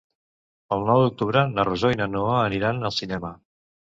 El nou d'octubre na Rosó i na Noa aniran al cinema.